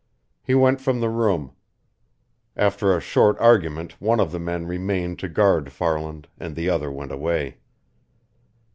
He went from the room. After a short argument one of the men remained to guard Farland, and the other went away.